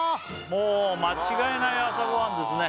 もう間違いない朝ごはんですね